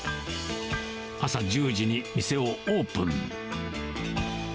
朝１０時に店をオープン。